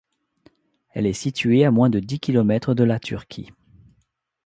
Elle est située à moins de dix kilomètres de la Turquie.